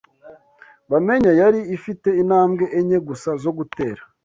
Bamenya yari ifite intambwe enye gusa zo gutera